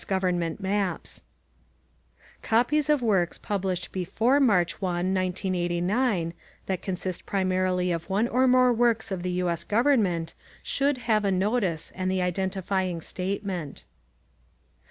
Government maps Copies of works published before March 1, 1989, that consist primarily of one or more works of the U. S. Government *should* have a notice and the identifying statement.